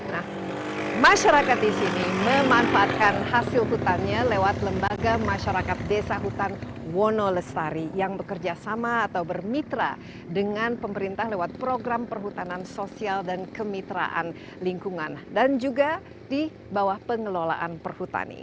nah masyarakat di sini memanfaatkan hasil hutannya lewat lembaga masyarakat desa hutan wonolestari yang bekerja sama atau bermitra dengan pemerintah lewat program perhutanan sosial dan kemitraan lingkungan dan juga di bawah pengelolaan perhutani